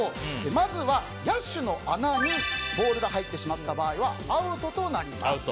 まずは野手の穴にボールが入ってしまった場合はアウトとなります。